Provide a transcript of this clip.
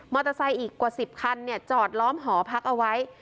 มอเตอร์ไซต์อีกกว่าสิบคันเนี้ยจอดล้อมหอพักเอาไว้